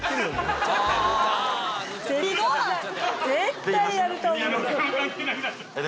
絶対やると思った。